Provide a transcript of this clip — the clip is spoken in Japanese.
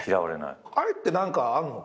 あれって何かあるの？